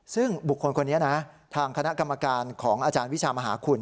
ซึ่งบุคคลคนนี้นะทางคณะกรรมการของอาจารย์วิชามหาคุณ